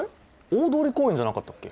大通り公園じゃなかったっけ？